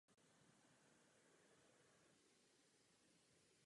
Šachtar nese i výraznou českou stopu.